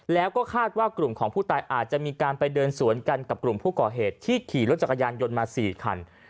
แล้วก็คาดว่ากลุ่มของผู้ตายอาจจะมีการไปเดินสวนกันกับกลุ่มผู้ก่อเหตุที่ขี่รถจักรยานยนต์มา๔คัน